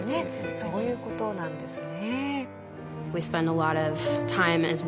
そういう事なんですね。